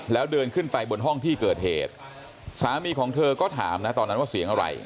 แล้วเดินขึ้นไปบนห้องที่เกิดเหตุสามีของเธอก็ถามนะตอนนั้นว่าเสียงอะไร